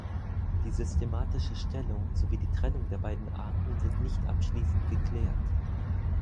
Die systematische Stellung sowie die Trennung der beiden Arten sind nicht abschließend geklärt.